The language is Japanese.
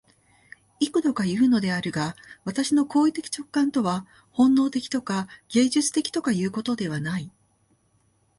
幾度かいうのであるが、私の行為的直観とは本能的とか芸術的とかいうことではない。